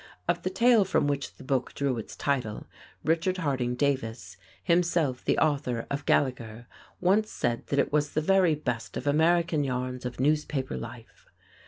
Of the tale from which the book drew its title, Richard Harding Davis, himself the author of "Gallegher," once said that it was "the very best of American yarns of newspaper life."